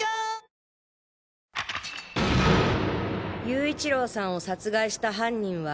勇一郎さんを殺害した犯人は。